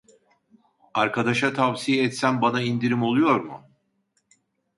Arkadaşa tavsiye etsem bana indirim oluyor mu